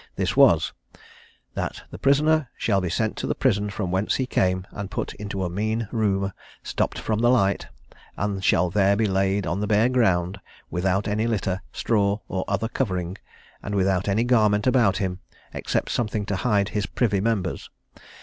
This was, "That the prisoner shall be sent to the prison from whence he came, and put into a mean room, stopped from the light, and shall there be laid on the bare ground, without any litter, straw, or other covering, and without any garment about him, except something to hide his privy members.